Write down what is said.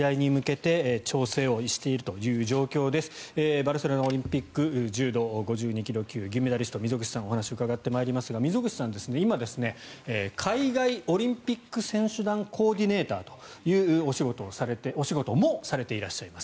バルセロナオリンピック柔道５２ｋｇ級銀メダリストの溝口さんにお話を伺ってまいりますが溝口さんは今海外オリンピック選手団コーディネーターというお仕事もされていらっしゃいます。